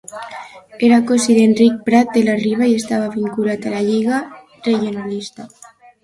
Era cosí d'Enric Prat de la Riba i estava vinculat a la Lliga Regionalista.